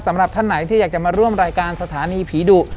สำหรับท่านไหนที่อยากจะมาร่วมรายการสถานีผีดุ